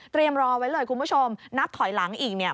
รอไว้เลยคุณผู้ชมนับถอยหลังอีกเนี่ย